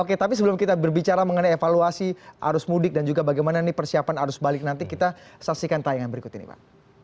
oke tapi sebelum kita berbicara mengenai evaluasi arus mudik dan juga bagaimana nih persiapan arus balik nanti kita saksikan tayangan berikut ini pak